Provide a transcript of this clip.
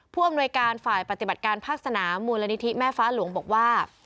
ผู้อำนวยการฝ่ายปฏิบัติการภาคสนามมูลนิธิแม่ฟ้าหลวงบอกว่า